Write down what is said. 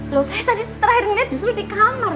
loh saya tadi terakhir ngeliat justru di kamar